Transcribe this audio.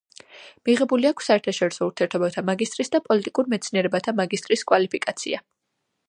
მიღებული აქვს საერთაშორისო ურთიერთობათა მაგისტრის და პოლიტიკურ მეცნიერებათა მაგისტრის კვალიფიკაცია.